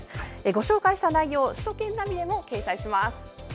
ご紹介した内容、首都圏ナビでも掲載します。